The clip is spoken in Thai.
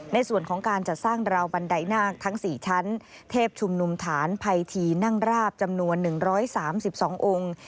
ในส่วนของการจัดสร้างราวบันไดนาคทั้ง๔ชั้นเทพชุมนุมฐานภัยทีนั่งราบจำนวน๑๓๒องค์